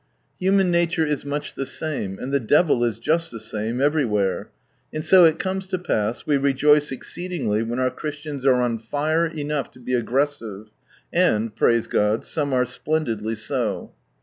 Human nature is much the same, and the devil is just the same, everywhere ; and so it comes to pass, we re joice exceedingly when our Christians are on fire enough to be aggressive, and, praise God, some are splendidly so.